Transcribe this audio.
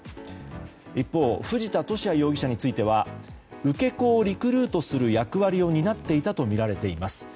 一方、藤田聖也容疑者については受け子をリクルートする役割を担っていたとみられています。